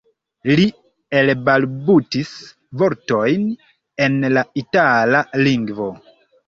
Li elbalbutis vortojn en la itala lingvo.